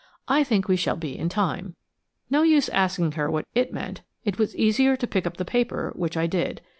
I think we shall be in time." No use asking her what "it" meant. It was easier to pick up the paper, which I did.